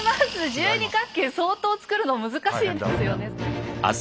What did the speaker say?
十二角形相当つくるの難しいですよね。